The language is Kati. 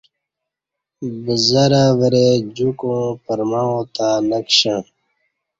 بزہ رہ ورے جوکوع پرمعاں تہ نکشݩع